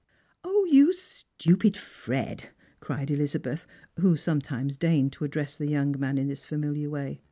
" you stupid Fred !" cried Elizabeth, who sometimes deigned to address the young man in this familiar way.